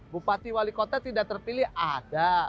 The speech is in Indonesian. bupati wali kota tidak terpilih ada